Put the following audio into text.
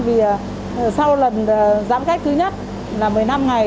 vì sau lần giãn cách thứ nhất là một mươi năm ngày